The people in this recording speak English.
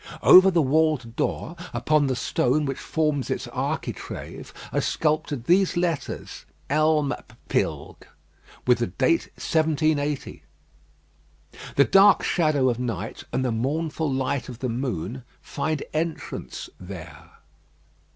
Over the walled door, upon the stone which forms its architrave, are sculptured these letters, "ELM PBILG," with the date "1780." The dark shadow of night and the mournful light of the moon find entrance there.